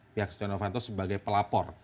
pihak stiano fanto sebagai pelapor